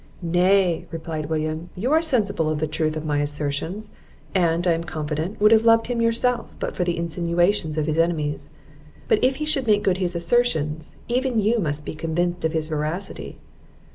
"Nay," replied William, "you are sensible of the truth of my assertions; and, I am confident, would have loved him yourself, but for the insinuations of his enemies. But if he should make good his assertions, even you must be convinced of his veracity."